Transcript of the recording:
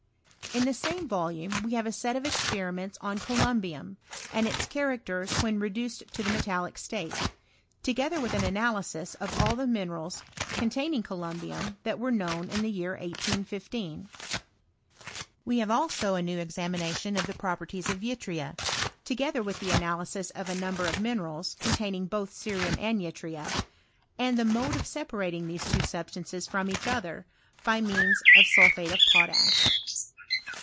In the same volume we have a set of experiments on columbium, and its characters when reduced to the metallic state ; together with an analysis of all the minerals containing columbicum that were known in the year 1815. We iiave also a new examination of the properties of yttria, together with the analysis of a number of minerals, containing both cerium and yttria, and the mode of separating these two substances from each other by means of sulphate of potash.